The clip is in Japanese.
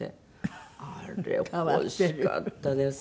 あれ欲しかったですね。